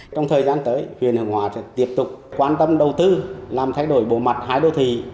trong thời gian tới huyện hướng hóa sẽ tiếp tục quan tâm đầu tư làm thay đổi bộ mặt hai đô thị